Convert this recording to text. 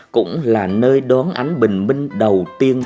cũng là nơi đón ánh bình minh đầu tiên